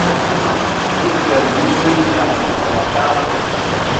Uchwela mungingo ya mukulu gwa kala.